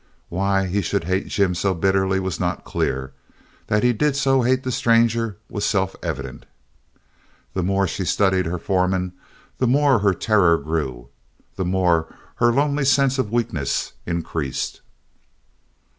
Why he should hate Jim so bitterly was not clear; that he did so hate the stranger was self evident. The more she studied her foreman the more her terror grew, the more her lonely sense of weakness increased.